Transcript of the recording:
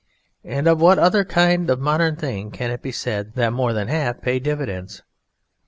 And of what other kind of modern thing can it be said that more than half pay dividends?